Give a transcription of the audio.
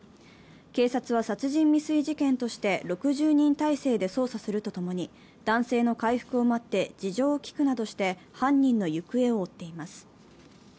警察は殺人未遂事件として６０人態勢で捜査するとともに、男性の回復を待って事情を聴くなどして犯人の行方を追っています。